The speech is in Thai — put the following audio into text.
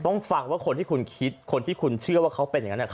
ต้องฟังว่าคนที่คุณคิดคนที่คุณเชื่อว่าเขาเป็นอย่างนั้น